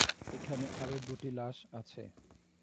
এখানে আরও দুটি লাশ আছে।